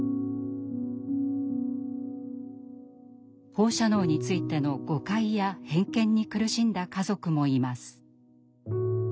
放射能についての誤解や偏見に苦しんだ家族もいます。